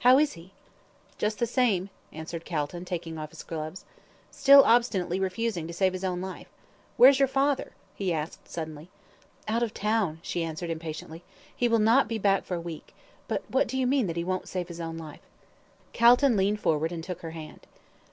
How is he?" "Just the same," answered Calton, taking off his gloves, "still obstinately refusing to save his own life. Where's your father?" he asked, suddenly. "Out of town," she answered, impatiently. "He will not be back for a week but what do you mean that he won't save his own life?" Calton leaned forward, and took her hand.